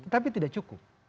tapi tidak cukup